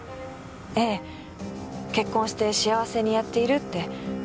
ええ。結婚して幸せにやっているって言っていたのに。